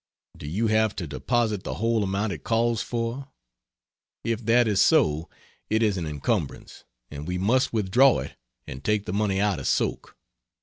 Do you have to deposit the whole amount it calls for? If that is so, it is an encumbrance, and we must withdraw it and take the money out of soak.